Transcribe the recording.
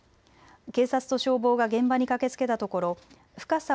警察と消防が現場に駆けつけたところ深さ